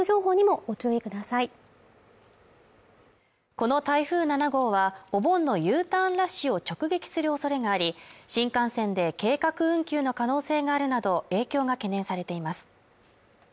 この台風７号はお盆のＵターンラッシュを直撃するおそれがあり新幹線で計画運休の可能性があるなど影響が懸念されています